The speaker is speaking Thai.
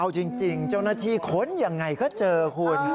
เอาจริงเจ้าหน้าที่ค้นยังไงก็เจอคุณ